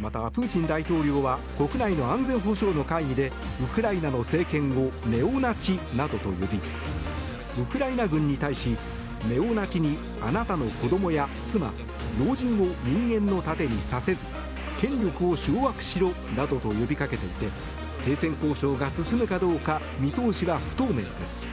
また、プーチン大統領は国内の安全保障の会議でウクライナの政権をネオナチなどと呼びウクライナ軍に対しネオナチにあなたの子どもや妻老人を人間の盾にさせず権力を掌握しろなどと呼びかけていて停戦交渉が進むかどうか見通しは不透明です。